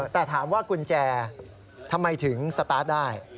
แต่ถามว่ากุญแจทำไมถึงสตาร์ทได้